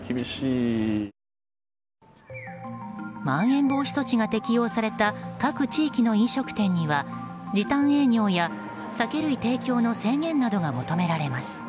まん延防止措置が適用された各地域の飲食店には時短営業や酒類提供の制限などが求められます。